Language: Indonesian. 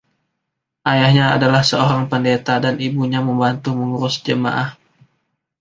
Ayahnya adalah seorang pendeta dan ibunya membantu mengurus jemaah.